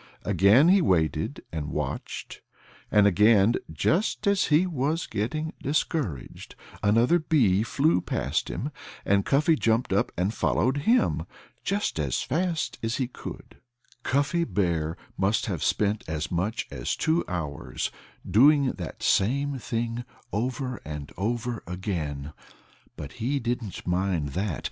Again he waited and watched. And again, just as he was getting discouraged, another bee flew past him and Cuffy jumped up and followed him just as fast as he could. [Illustration: The Bees Were Right There Waiting for Cuffy] Cuffy Bear must have spent as much as two hours doing that same thing over and over again. But he didn't mind that.